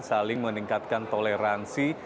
saling meningkatkan toleransi